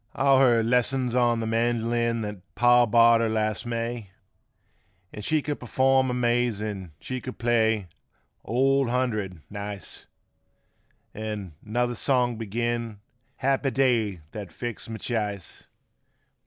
55 All her lessons on th' melojun that paw bought fur her last May, An' she could perform amazin'; she could play " Old Hundred " nice An' another song beginin' ''Happy Day that Fixed My Ch'ice."